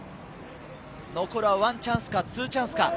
残るはワンチャンスかツーチャンスか。